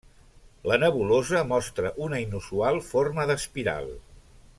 La nebulosa mostra una inusual forma d'espiral.